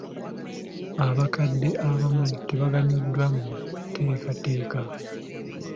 Abakadde abamu tabaganyuddwa mu nteekateeka.